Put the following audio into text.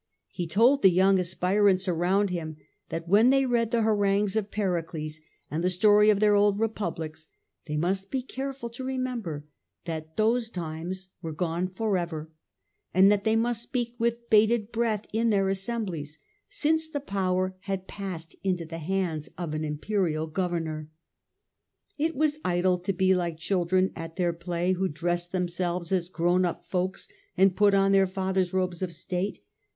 He told the young aspirants round him that, when they read the harangues of Pericles and the story of their old republics, they must be careful to remember that those times were gone for ever, and that they must speak with bated breath in their assemblies, since the power had passed into the hands of an imperial governor. It was idle to be like the children at their play, who dress themselves as grown up folks, and put on their fathers^ robes of state.